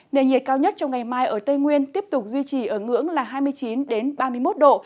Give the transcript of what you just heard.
nền nhiệt cao nhất trong ngày mai ở tây nguyên tiếp tục duy trì ở ngưỡng là hai mươi chín ba mươi một độ